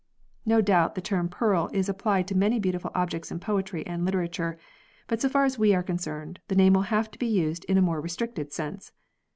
No doubt the term pearl is applied to many beautiful objects in poetry and literature, but so far as we are concerned, the name will have to be used in a more restricted sense.